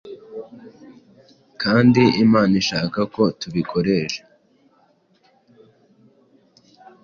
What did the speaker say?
kandi Imana ishaka ko tubukoresha.